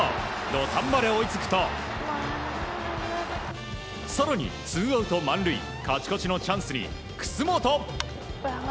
土壇場で追いつくと更にツーアウト満塁勝ち越しのチャンスに楠本。